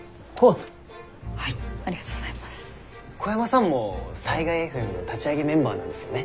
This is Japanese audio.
小山さんも災害ＦＭの立ち上げメンバーなんですよね？